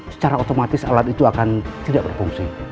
secara otomatis alat itu akan tidak berfungsi